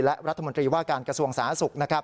และรัฐมนตรีว่าการกระทรวงสาธารณสุขนะครับ